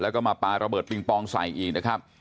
แล้วก็มาปลาระเบิดปิงปองใส่อีกนะครับ